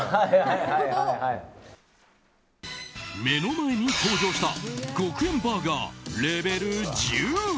目の前に登場した獄炎バーガー、レベル１０。